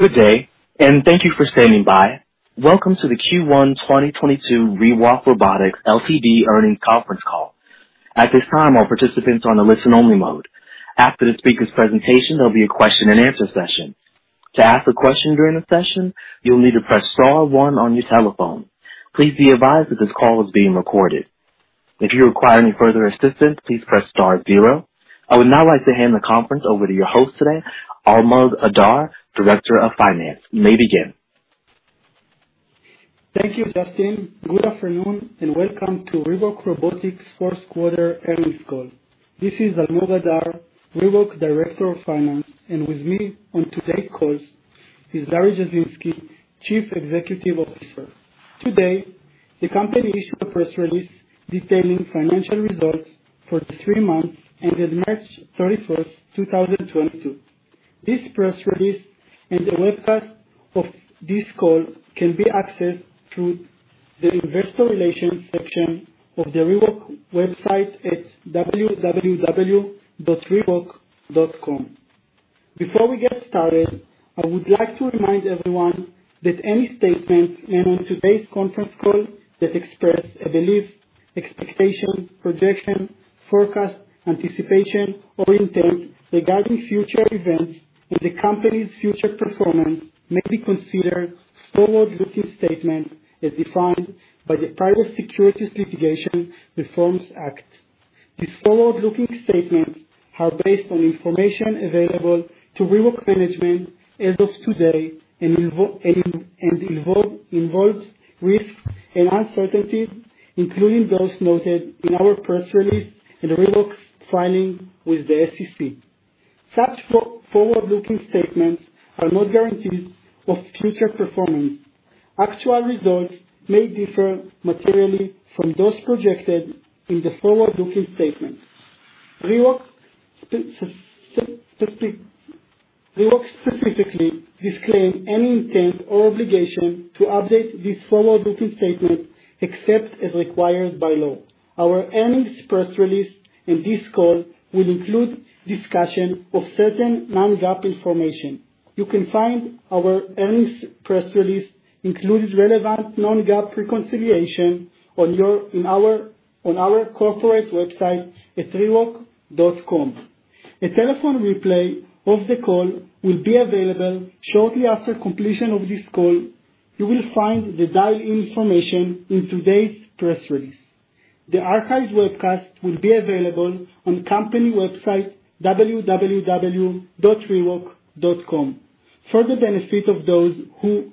Good day, thank you for standing by. Welcome to the Q1 2022 ReWalk Robotics Ltd earnings conference call. At this time, all participants are on a listen only mode. After the speaker's presentation, there'll be a Q&A session. To ask a question during the session, you'll need to press star one on your telephone. Please be advised that this call is being recorded. If you require any further assistance, please press star zero. I would now like to hand the conference over to your host today, Almog Adar, Director of Finance. You may begin. Thank you, Justin. Good afternoon and welcome to ReWalk Robotics fourth quarter earnings call. This is Almog Adar, ReWalk Director of Finance, and with me on today's call is Larry Jasinski, Chief Executive Officer. Today, the company issued a press release detailing financial results for the three months ended March 31, 2022. This press release and the webcast of this call can be accessed through the Investor Relations section of the ReWalk website at www.rewalk.com. Before we get started, I would like to remind everyone that any statements made on today's conference call that express a belief, expectation, projection, forecast, anticipation, or intent regarding future events and the company's future performance may be considered forward-looking statements as defined by the Private Securities Litigation Reform Act. The forward-looking statements are based on information available to ReWalk management as of today and involve risks and uncertainties, including those noted in our press release and ReWalk's filing with the SEC. Such forward-looking statements are not guarantees of future performance. Actual results may differ materially from those projected in the forward-looking statements. ReWalk specifically disclaims any intent or obligation to update these forward-looking statements except as required by law. Our earnings press release and this call will include discussion of certain non-GAAP information. You can find our earnings press release, including relevant non-GAAP reconciliation, on our corporate website at rewalk.com. A telephone replay of the call will be available shortly after completion of this call. You will find the dial-in information in today's press release. The archived webcast will be available on the company website, www.rewalk.com. For the benefit of those who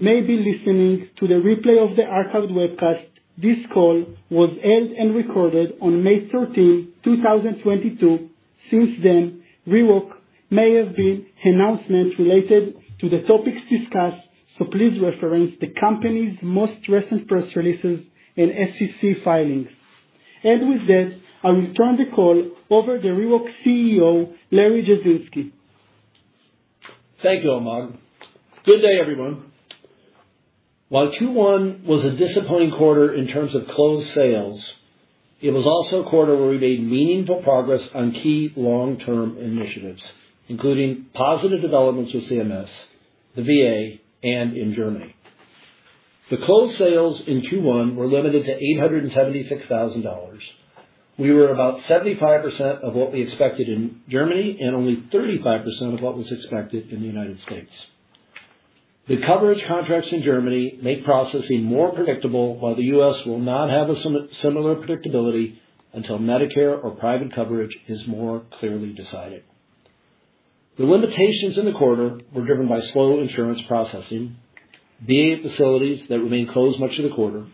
may be listening to the replay of the archived webcast, this call was held and recorded on May 13, 2022. Since then, there may have been announcements related to the topics discussed, so please reference the company's most recent press releases and SEC filings. With that, I will turn the call over to ReWalk's CEO, Larry Jasinski. Thank you, Almog. Good day, everyone. While Q1 was a disappointing quarter in terms of closed sales, it was also a quarter where we made meaningful progress on key long-term initiatives, including positive developments with CMS, the VA, and in Germany. The closed sales in Q1 were limited to $876,000. We were about 75% of what we expected in Germany and only 35% of what was expected in the United States. The coverage contracts in Germany make processing more predictable while the U.S. will not have a similar predictability until Medicare or private coverage is more clearly decided. The limitations in the quarter were driven by slow insurance processing, VA facilities that remained closed much of the quarter,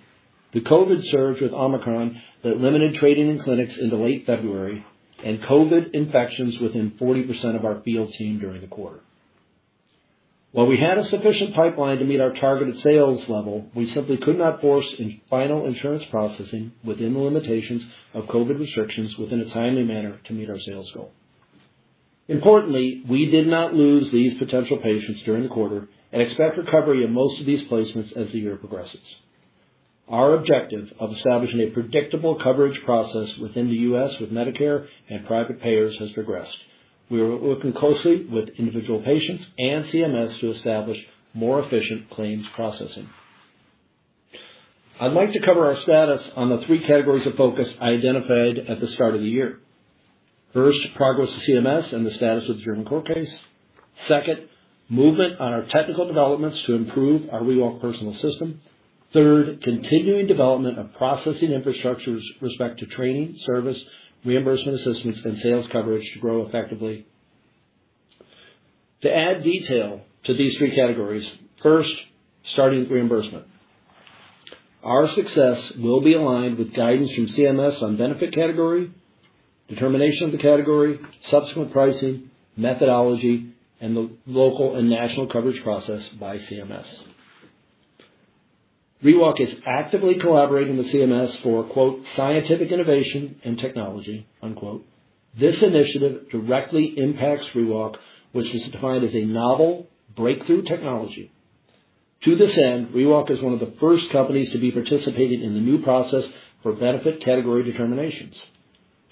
the COVID surge with Omicron that limited training in clinics into late February, and COVID infections within 40% of our field team during the quarter. While we had a sufficient pipeline to meet our targeted sales level, we simply could not force in final insurance processing within the limitations of COVID restrictions within a timely manner to meet our sales goal. Importantly, we did not lose these potential patients during the quarter and expect recovery in most of these placements as the year progresses. Our objective of establishing a predictable coverage process within the U.S. with Medicare and private payers has progressed. We are working closely with individual patients and CMS to establish more efficient claims processing. I'd like to cover our status on the three categories of focus identified at the start of the year. First, progress with CMS and the status of the German court case. Second, movement on our technical developments to improve our ReWalk Personal system. Third, continuing development of processing infrastructure with respect to training, service, reimbursement assistance, and sales coverage to grow effectively. To add detail to these three categories, first, starting with reimbursement. Our success will be aligned with guidance from CMS on benefit category, determination of the category, subsequent pricing, methodology, and the local and national coverage process by CMS. ReWalk is actively collaborating with CMS for "scientific innovation and technology". This initiative directly impacts ReWalk, which is defined as a novel breakthrough technology. To this end, ReWalk is one of the first companies to be participating in the new process for benefit category determinations.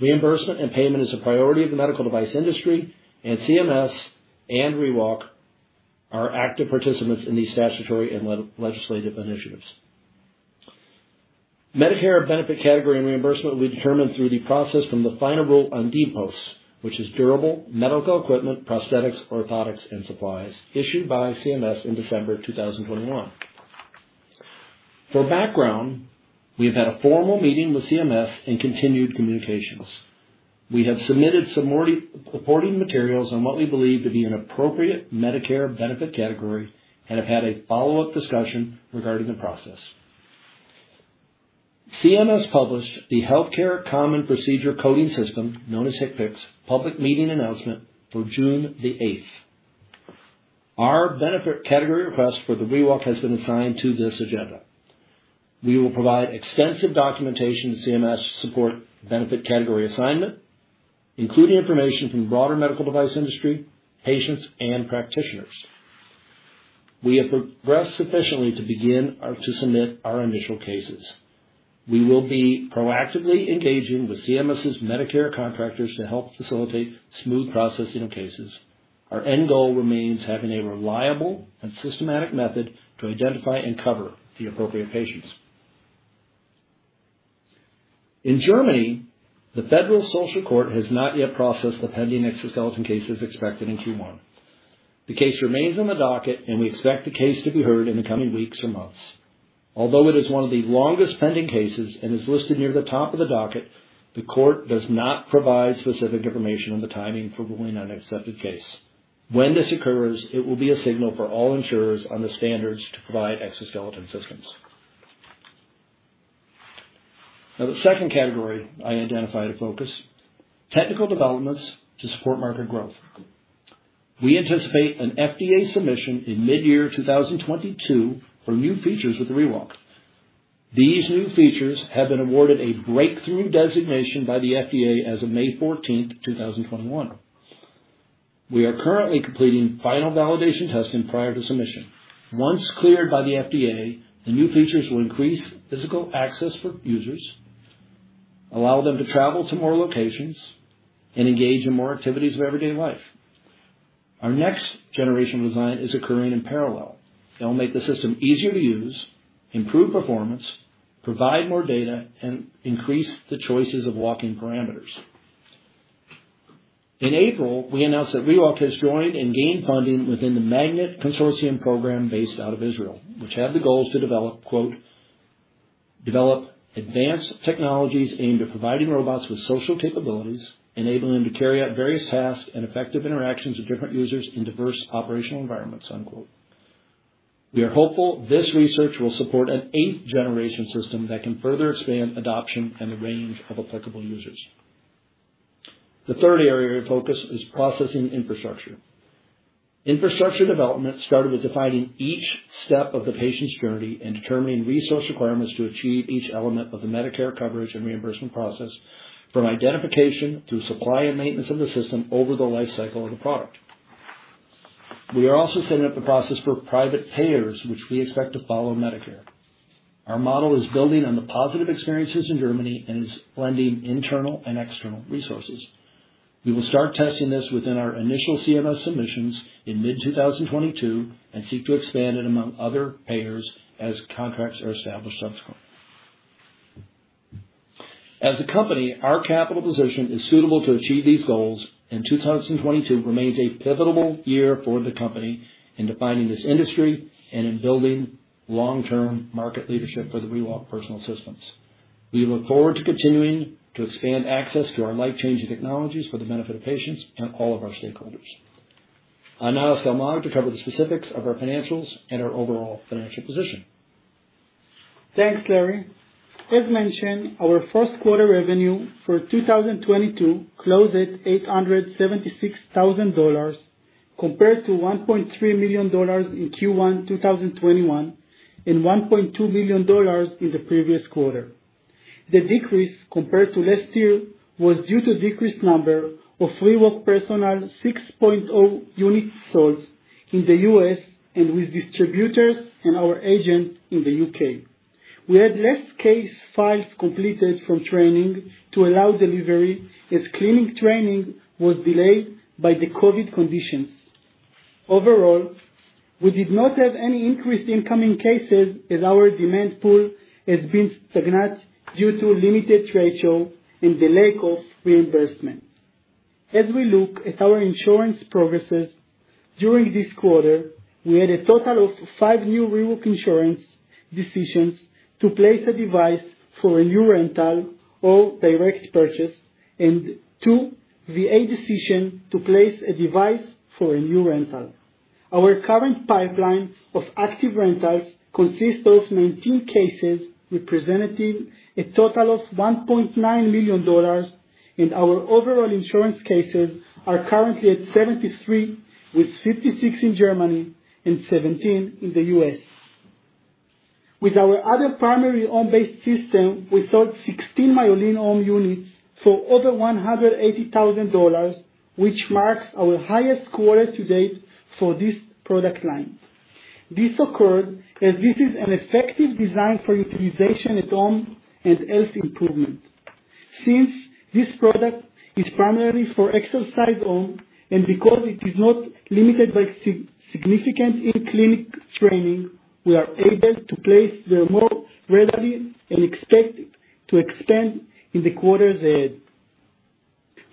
Reimbursement and payment is a priority of the medical device industry, and CMS and ReWalk are active participants in these statutory and legislative initiatives. Medicare benefit category and reimbursement will be determined through the process from the final rule on DMEPOS, which is Durable Medical Equipment, Prosthetics, Orthotics, and Supplies, issued by CMS in December 2021. For background, we have had a formal meeting with CMS and continued communications. We have submitted some more reporting materials on what we believe to be an appropriate Medicare benefit category and have had a follow-up discussion regarding the process. CMS published the Healthcare Common Procedure Coding System, known as HCPCS, public meeting announcement for June 8. Our benefit category request for the ReWalk has been assigned to this agenda. We will provide extensive documentation to CMS to support benefit category assignment, including information from the broader medical device industry, patients, and practitioners. We have progressed sufficiently to submit our initial cases. We will be proactively engaging with CMS's Medicare contractors to help facilitate smooth processing of cases. Our end goal remains having a reliable and systematic method to identify and cover the appropriate patients. In Germany, the Federal Social Court has not yet processed the pending exoskeleton case as expected in Q1. The case remains on the docket, and we expect the case to be heard in the coming weeks or months. Although it is one of the longest pending cases and is listed near the top of the docket, the court does not provide specific information on the timing for ruling on an accepted case. When this occurs, it will be a signal for all insurers on the standards to provide exoskeleton systems. Now, the second category I identified to focus, technical developments to support market growth. We anticipate an FDA submission in mid-2022 for new features with ReWalk. These new features have been awarded a breakthrough designation by the FDA as of May 14, 2021. We are currently completing final validation testing prior to submission. Once cleared by the FDA, the new features will increase physical access for users, allow them to travel to more locations, and engage in more activities of everyday life. Our next generation design is occurring in parallel. It'll make the system easier to use, improve performance, provide more data, and increase the choices of walking parameters. In April, we announced that ReWalk has joined and gained funding within the MAGNET Consortium program based out of Israel, which have the goals to develop, "Develop advanced technologies aimed at providing robots with social capabilities, enabling them to carry out various tasks and effective interactions with different users in diverse operational environments". We are hopeful this research will support an eighth-generation system that can further expand adoption and the range of applicable users. The third area of focus is pricing infrastructure. Infrastructure development started with defining each step of the patient's journey and determining resource requirements to achieve each element of the Medicare coverage and reimbursement process, from identification through supply and maintenance of the system over the life cycle of the product. We are also setting up a process for private payers, which we expect to follow Medicare. Our model is building on the positive experiences in Germany and is blending internal and external resources. We will start testing this within our initial CMS submissions in mid-2022 and seek to expand it among other payers as contracts are established subsequently. As a company, our capital position is suitable to achieve these goals, and 2022 remains a pivotal year for the company in defining this industry and in building long-term market leadership for the ReWalk Personal systems. We look forward to continuing to expand access to our life-changing technologies for the benefit of patients and all of our stakeholders. I'll now ask Almog to cover the specifics of our financials and our overall financial position. Thanks, Larry. As mentioned, our first quarter revenue for 2022 closed at $876,000 compared to $1.3 million in Q1 2021 and $1.2 million in the previous quarter. The decrease compared to last year was due to decreased number of ReWalk Personal 6.0 unit sales in the U.S. and with distributors and our agent in the U.K. We had less case files completed for training to allow delivery as clinic training was delayed by the COVID conditions. Overall, we did not have any increase in coming cases as our demand pool has been stagnant due to limited trade show and delay of reimbursement. As we look at our insurance progress, during this quarter, we had a total of five new ReWalk insurance decisions to place a device for a new rental or direct purchase, and two VA decisions to place a device for a new rental. Our current pipeline of active rentals consists of 19 cases, representing a total of $1.9 million, and our overall insurance cases are currently at 73, with 56 in Germany and 17 in the U.S. With our other primary home-based system, we sold 16 MYOLYN home units for over $180,000, which marks our highest quarter to date for this product line. This occurred as this is an effective design for utilization at home and health improvement. Since this product is primarily for home exercise and because it is not limited by significant in-clinic training, we are able to place them more readily and expect to expand in the quarters ahead.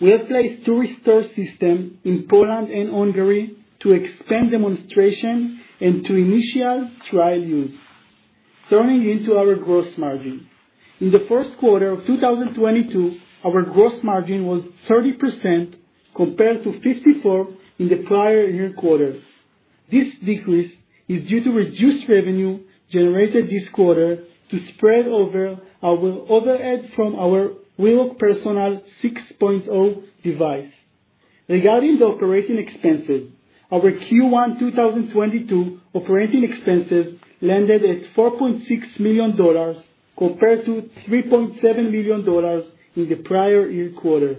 We have placed two ReStore systems in Poland and Hungary for extended demonstration and initial trial use. Turning to our gross margin. In the first quarter of 2022, our gross margin was 30% compared to 54% in the prior year quarter. This decrease is due to reduced revenue generated this quarter to spread over our overhead from our ReWalk Personal 6.0 device. Regarding the operating expenses, our Q1 2022 operating expenses landed at $4.6 million compared to $3.7 million in the prior year quarter.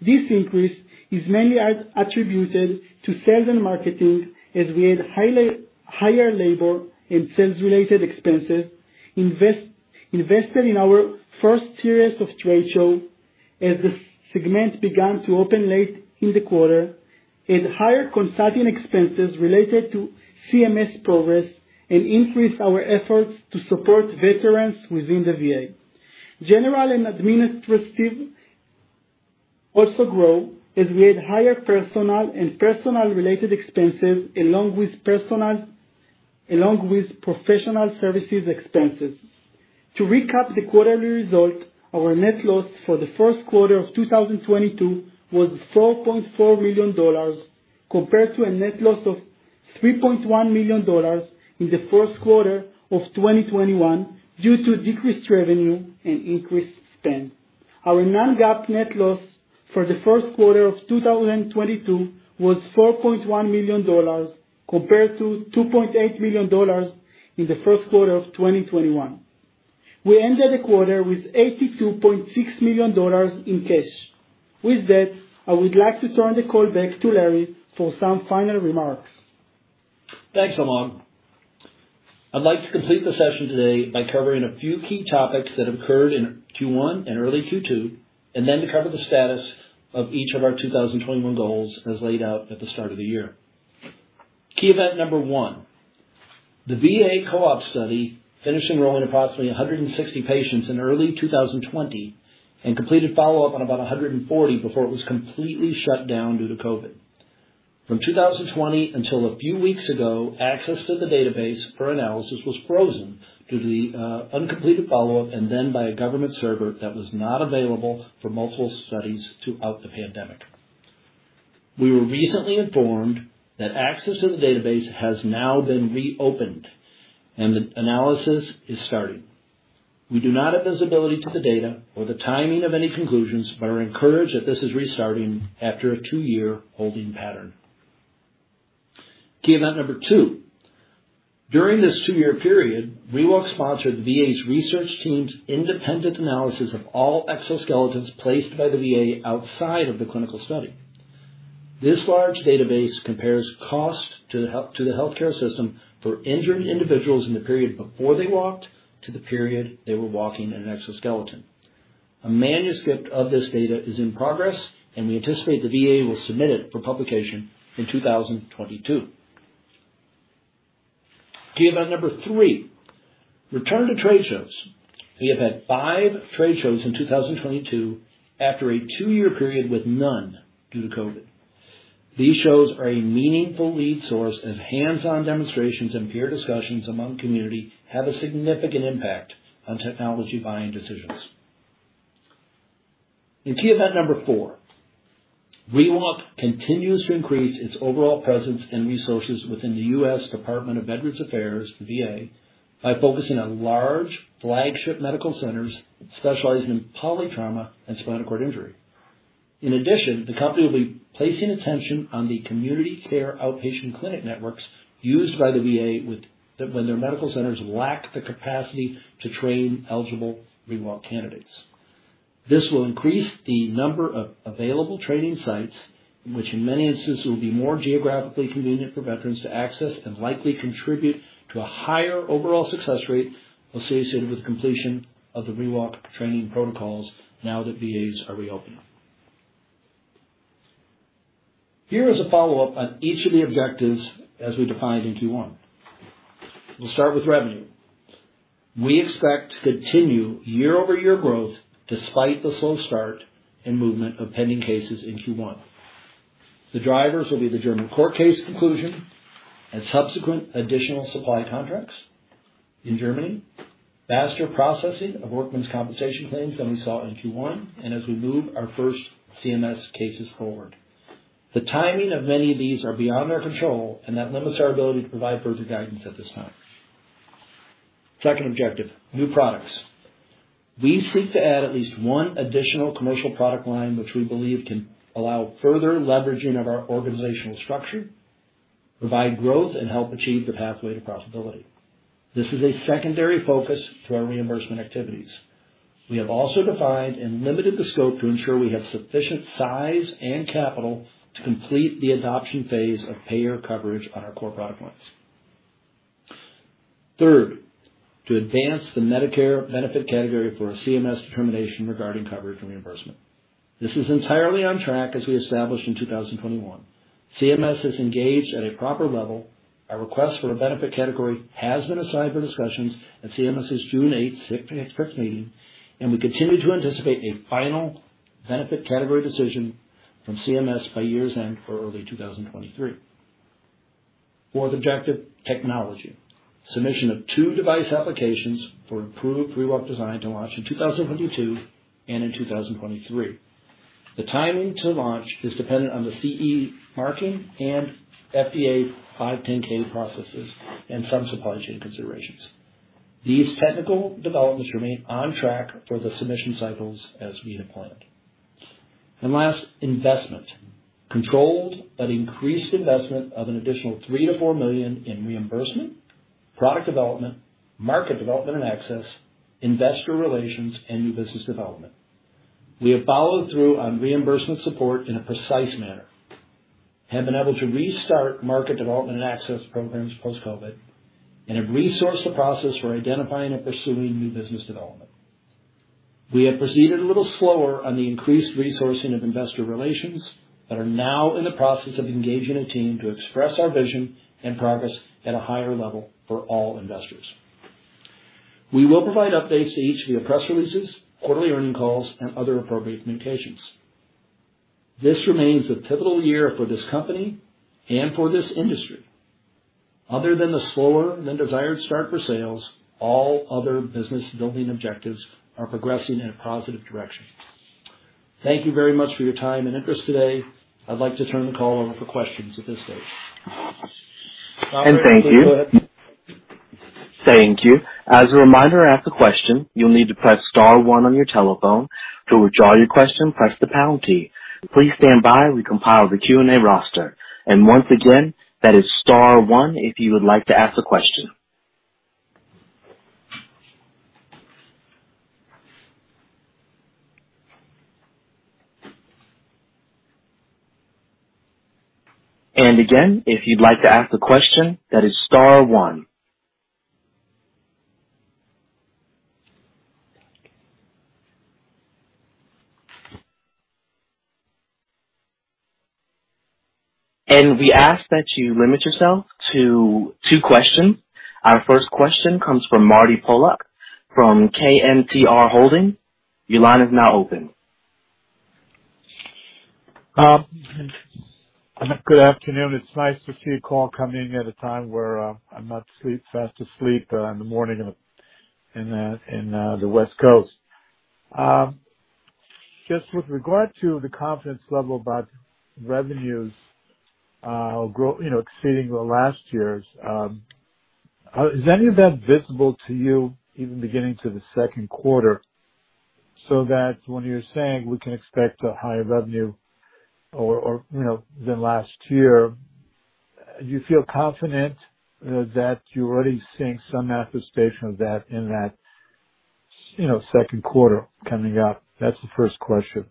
This increase is mainly attributed to sales and marketing as we had higher labor and sales-related expenses, invested in our first series of trade shows as the segment began to open late in the quarter, and higher consulting expenses related to CMS progress and increased our efforts to support veterans within the VA. General and administrative also grew as we had higher personnel related expenses along with professional services expenses. To recap the quarterly result, our net loss for the first quarter of 2022 was $4.4 million compared to a net loss of $3.1 million in the first quarter of 2021 due to decreased revenue and increased spend. Our non-GAAP net loss for the first quarter of 2022 was $4.1 million compared to $2.8 million in the first quarter of 2021. We ended the quarter with $82.6 million in cash. With that, I would like to turn the call back to Larry for some final remarks. Thanks, Almog. I'd like to complete the session today by covering a few key topics that occurred in Q1 and early Q2, and then to cover the status of each of our 2021 goals as laid out at the start of the year. Key event number one, the VA co-op study finished enrolling approximately 160 patients in early 2020 and completed follow-up on about 140 before it was completely shut down due to COVID. From 2020 until a few weeks ago, access to the database for analysis was frozen due to the uncompleted follow-up and then by a government server that was not available for multiple studies throughout the pandemic. We were recently informed that access to the database has now been reopened and the analysis is starting. We do not have visibility to the data or the timing of any conclusions, but are encouraged that this is restarting after a two-year holding pattern. Key event number two, during this two-year period, ReWalk sponsored the VA's research team's independent analysis of all exoskeletons placed by the VA outside of the clinical study. This large database compares cost to the healthcare system for injured individuals in the period before they walked to the period they were walking in an exoskeleton. A manuscript of this data is in progress, and we anticipate the VA will submit it for publication in 2022. Key event number three, return to trade shows. We have had five trade shows in 2022 after a two-year period with none due to COVID. These shows are a meaningful lead source, and hands-on demonstrations and peer discussions among community have a significant impact on technology buying decisions. In key event number four, ReWalk continues to increase its overall presence and resources within the U.S. Department of Veterans Affairs, VA, by focusing on large flagship medical centers specializing in poly trauma and spinal cord injury. In addition, the company will be placing attention on the community care outpatient clinic networks used by the VA, when their medical centers lack the capacity to train eligible ReWalk candidates. This will increase the number of available training sites, which in many instances will be more geographically convenient for veterans to access and likely contribute to a higher overall success rate associated with completion of the ReWalk training protocols now that VAs are reopening. Here is a follow-up on each of the objectives as we defined in Q1. We'll start with revenue. We expect to continue year-over-year growth despite the slow start and movement of pending cases in Q1. The drivers will be the German court case conclusion and subsequent additional supply contracts in Germany, faster processing of workmen's compensation claims than we saw in Q1, and as we move our first CMS cases forward. The timing of many of these are beyond our control, and that limits our ability to provide further guidance at this time. Second objective, new products. We seek to add at least one additional commercial product line, which we believe can allow further leveraging of our organizational structure, provide growth, and help achieve the pathway to profitability. This is a secondary focus to our reimbursement activities. We have also defined and limited the scope to ensure we have sufficient size and capital to complete the adoption phase of payer coverage on our core product lines. Third, to advance the Medicare benefit category for a CMS determination regarding coverage and reimbursement. This is entirely on track as we established in 2021. CMS is engaged at a proper level. Our request for a benefit category has been assigned for discussions at CMS's June 8th fixed meeting, and we continue to anticipate a final benefit category decision from CMS by year's end or early 2023. Fourth objective, technology. Submission of two device applications for approved pre-op design to launch in 2022 and in 2023. The timing to launch is dependent on the CE marking and FDA 510(k) processes and some supply chain considerations. These technical developments remain on track for the submission cycles as we had planned. Last, investment. Controlled but increased investment of an additional $3 million-$4 million in reimbursement, product development, market development and access, investor relations, and new business development. We have followed through on reimbursement support in a precise manner, have been able to restart market development and access programs post-COVID, and have resourced the process for identifying and pursuing new business development. We have proceeded a little slower on the increased resourcing of investor relations, but are now in the process of engaging a team to express our vision and progress at a higher level for all investors. We will provide updates to each via press releases, quarterly earnings calls, and other appropriate communications. This remains a pivotal year for this company and for this industry. Other than the slower than desired start for sales, all other business building objectives are progressing in a positive direction. Thank you very much for your time and interest today. I'd like to turn the call over for questions at this stage. Thank you. Go ahead. Thank you. As a reminder, to ask a question, you'll need to press star one on your telephone. To withdraw your question, press the pound key. Please stand by while we compile the Q&A roster. Once again, that is star one if you would like to ask a question. Again, if you'd like to ask a question, that is star one. We ask that you limit yourself to two questions. Our first question comes from Martin Pollack from KMTR Holding. Your line is now open. Good afternoon. It's nice to see a call come in at a time where I'm not fast asleep in the morning in the West Coast. Just with regard to the confidence level about revenues, you know, exceeding last year's, is any of that visible to you even beginning to the second quarter so that when you're saying we can expect a higher revenue or, you know, than last year, do you feel confident that you're already seeing some attestation of that in that, you know, second quarter coming up? That's the first question.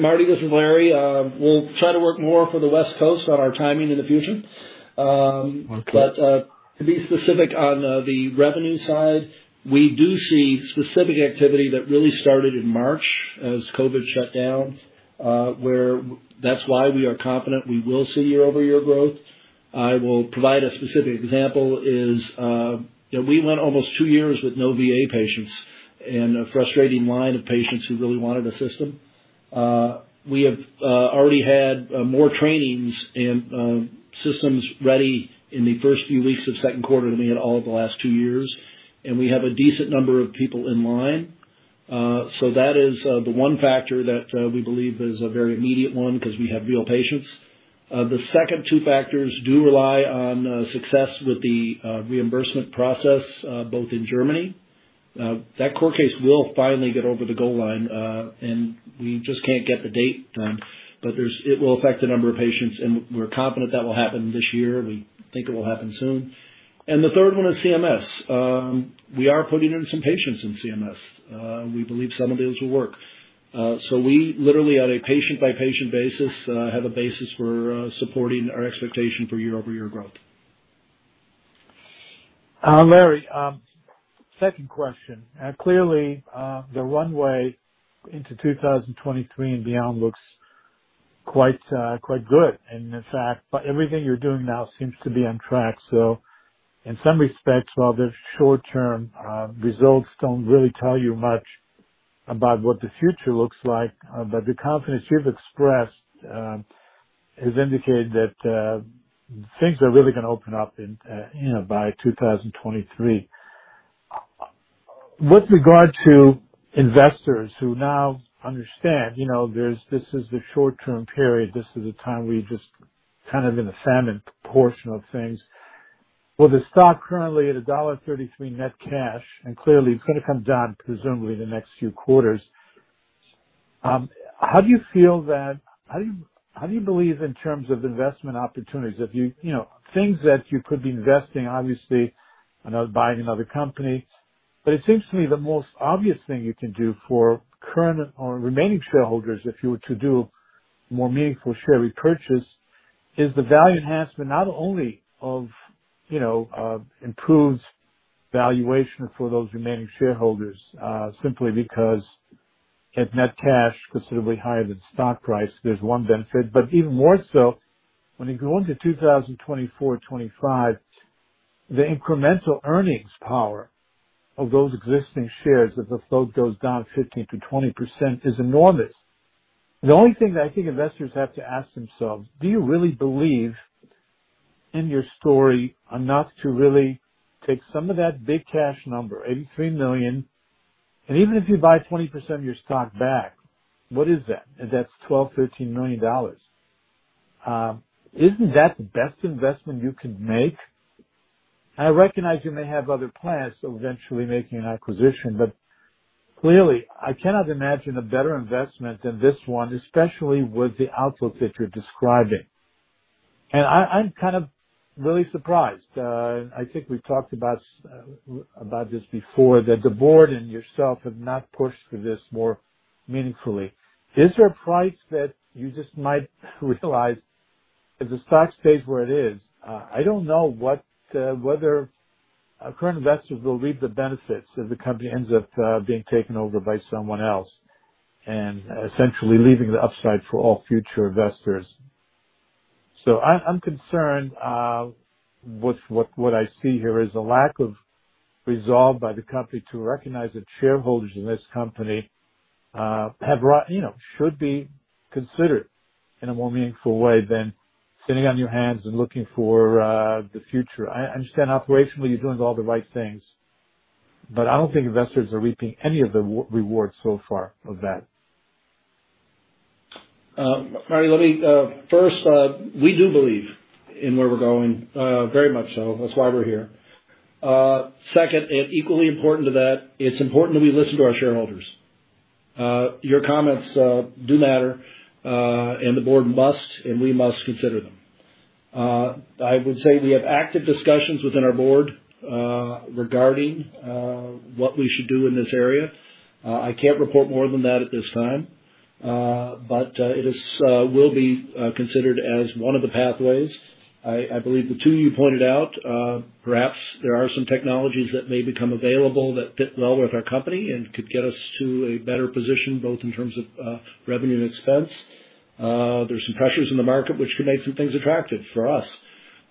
Martin, this is Larry. We'll try to work more for the West Coast on our timing in the future. Okay. To be specific on the revenue side, we do see specific activity that really started in March as COVID shut down, where that's why we are confident we will see year-over-year growth. I will provide a specific example, you know, we went almost two years with no VA patients and a frustrating line of patients who really wanted a system. We have already had more trainings and systems ready in the first few weeks of second quarter than we had all of the last two years. We have a decent number of people in line. That is the one factor that we believe is a very immediate one because we have real patients. The second two factors do rely on success with the reimbursement process both in Germany. That court case will finally get over the goal line, and we just can't get the date. But it will affect the number of patients, and we're confident that will happen this year. We think it will happen soon. The third one is CMS. We are putting in some patients in CMS. We believe some of those will work. We literally on a patient-by-patient basis have a basis for supporting our expectation for year-over-year growth. Larry, second question. Clearly, the runway into 2023 and beyond looks quite good. In fact, everything you're doing now seems to be on track. In some respects, while the short-term results don't really tell you much about what the future looks like, but the confidence you've expressed has indicated that things are really gonna open up in, you know, by 2023. With regard to investors who now understand, you know, this is the short-term period. This is a time we just kind of in the famine portion of things. With the stock currently at $1.33 net cash, and clearly it's gonna come down presumably the next few quarters, how do you feel that. How do you believe in terms of investment opportunities if you know, things that you could be investing, obviously, buying another company. It seems to me the most obvious thing you can do for current or remaining shareholders if you were to do more meaningful share repurchase is the value enhancement, not only of, you know, improved valuation for those remaining shareholders, simply because if net cash considerably higher than stock price, there's one benefit. Even more so, when you go into 2024, 2025, the incremental earnings power of those existing shares, if the float goes down 15%-20% is enormous. The only thing that I think investors have to ask themselves, do you really believe in your story enough to really take some of that big cash number, $83 million, and even if you buy 20% of your stock back, what is that? That's $12 million-$13 million. Isn't that the best investment you can make? I recognize you may have other plans of eventually making an acquisition, but clearly I cannot imagine a better investment than this one, especially with the outlook that you're describing. I'm kind of really surprised. I think we've talked about this before, that the board and yourself have not pushed for this more meaningfully. Is there a price that you just might realize if the stock stays where it is? I don't know whether our current investors will reap the benefits if the company ends up being taken over by someone else and essentially leaving the upside for all future investors. I'm concerned with what I see here is a lack of resolve by the company to recognize that shareholders in this company have, you know, should be considered in a more meaningful way than sitting on your hands and looking for the future. I understand operationally you're doing all the right things, but I don't think investors are reaping any of the rewards so far of that. Martin, let me. First, we do believe in where we're going very much so. That's why we're here. Second, and equally important to that, it's important that we listen to our shareholders. Your comments do matter. The board must, and we must consider them. I would say we have active discussions within our board regarding what we should do in this area. I can't report more than that at this time. But it will be considered as one of the pathways. I believe the two you pointed out. Perhaps there are some technologies that may become available that fit well with our company and could get us to a better position, both in terms of revenue and expense. There's some pressures in the market which could make some things attractive for us.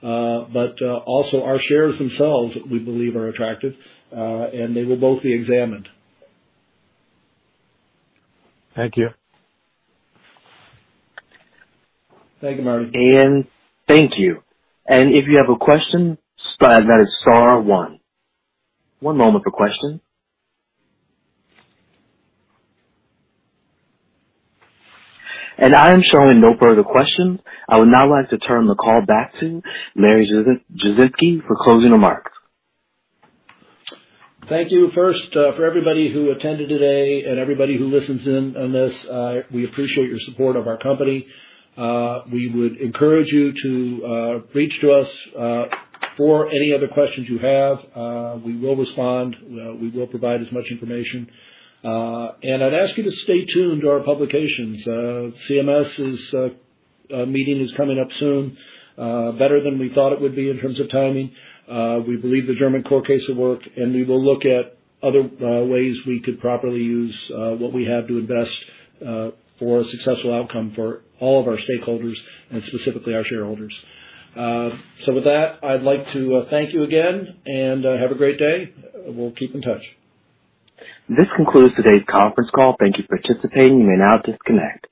Also our shares themselves, we believe are attractive, and they will both be examined. Thank you. Thank you, Martin. Thank you. If you have a question, that is star one. One moment for question. I am showing no further questions. I would now like to turn the call back to Larry Jasinski for closing remarks. Thank you. First, for everybody who attended today and everybody who listens in on this, we appreciate your support of our company. We would encourage you to reach out to us for any other questions you have. We will respond. We will provide as much information. I'd ask you to stay tuned to our publications. CMS's meeting is coming up soon. Better than we thought it would be in terms of timing. We believe the German court case will work, and we will look at other ways we could properly use what we have to invest for a successful outcome for all of our stakeholders and specifically our shareholders. With that, I'd like to thank you again and have a great day. We'll keep in touch. This concludes today's conference call. Thank you for participating. You may now disconnect.